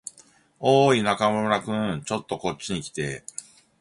おーい、中村君。ちょっとこっちに来て。